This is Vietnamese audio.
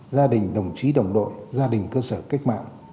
gia đình đồng chí đồng đội gia đình cơ sở cách mạng